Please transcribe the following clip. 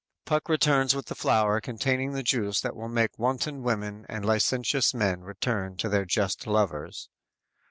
Puck returns with the flower containing the juice that will make wanton women and licentious men return to their just lovers.